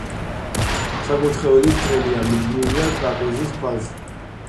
საკურთხეველი ბრტყელია, მიდგმულია ტრაპეზის ქვა.